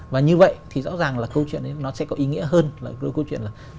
và như vậy thì rõ ràng là câu chuyện nó sẽ có ý nghĩa hơn là câu chuyện là